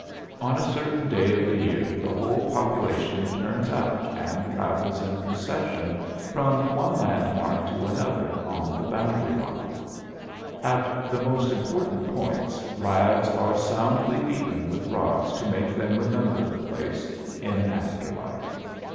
On a certain day of the year the whole population turns out and travels in procession from one landmark to another on the boundary line. At the most important points lads are soundly beaten with rods to make them remember the place in after life.